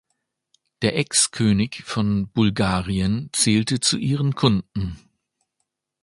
Der Ex-König von Bulgarien zählte zu ihren Kunden.